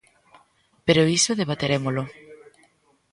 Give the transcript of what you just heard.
Pero iso debaterémolo.